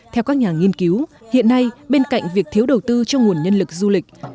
theo các nhà nghiên cứu hiện nay bên cạnh việc thiếu đầu tư cho nguồn nhân lực du lịch